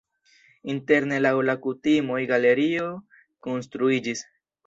Interne laŭ la kutimoj galerio konstruiĝis.